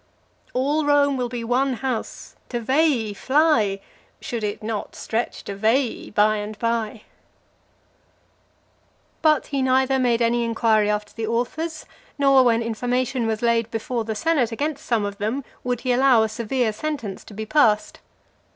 All Rome will be one house: to Veii fly, Should it not stretch to Veii, by and by. (370) But he neither made any inquiry after the authors, nor when information was laid before the senate against some of them, would he allow a severe sentence to be passed.